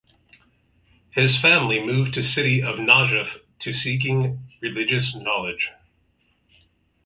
His family moved to city of Najaf to Seeking Religious knowledge.